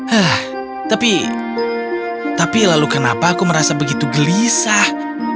hah tapi tapi lalu kenapa aku merasa begitu gelisah